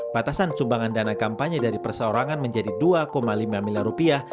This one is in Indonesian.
batasan sumbangan dana kampanye dari perseorangan menjadi dua lima miliar rupiah